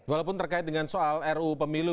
walaupun terkait dengan soal ruu pemilu